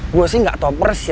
gue sih gak tau persis